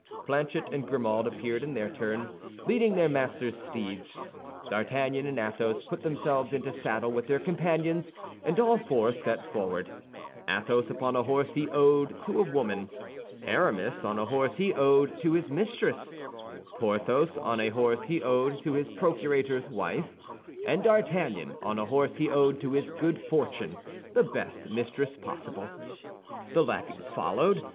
Planchet and Grimaud appeared in their turn, leading their masters' steeds. D'Artagnan and Athos put themselves into saddle with their companions, and all four set forward; Athos upon a horse he owed to a woman, Aramis on a horse he owed to his mistress, Porthos on a horse he owed to his procurator's wife, and D'Artagnan on a horse he owed to his good fortune—the best mistress possible. The lackeys followed.